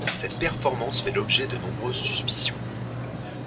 Cette performance fait l'objet de nombreuses suspicions.